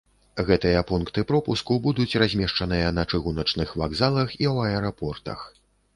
Гэтыя пункты пропуску будуць размешчаныя на чыгуначных вакзалах і ў аэрапортах.